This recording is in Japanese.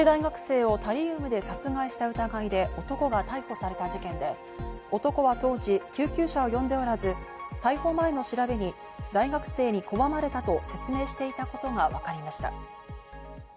女子大学生をタリウムで殺害した疑いで男が逮捕された事件で、男は当時、救急車を呼んでおらず、逮捕前の調べに、大学生に拒まれたと説明していたことがわかりました。